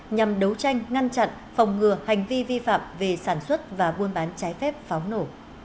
nhằm đấu tranh ngăn chặn phòng ngừa hành vi vi phạm về sản xuất và buôn bán trái phép pháo nổ